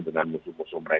dengan jad itu